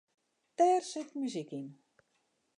Dêr sit muzyk yn.